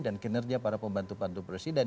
dan kinerja para pembantu pembantu presiden